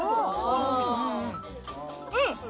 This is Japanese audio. うん！